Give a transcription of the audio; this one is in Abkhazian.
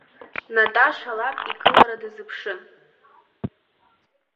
Наташа лаб игылара дазыԥшын.